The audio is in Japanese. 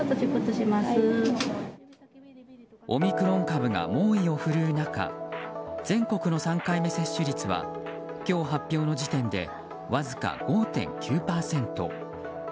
オミクロン株が猛威を振るう中全国の３回目接種率は今日発表の時点でわずか５．９％。